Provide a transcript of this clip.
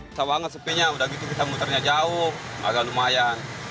susah banget sepinya udah gitu kita muternya jauh agak lumayan